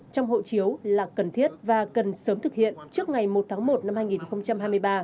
trong hộ chiếu là cần thiết và cần sớm thực hiện trước ngày một tháng một năm hai nghìn hai mươi ba